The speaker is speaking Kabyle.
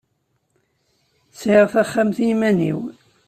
Sɛiɣ taxxamt i iman-iw.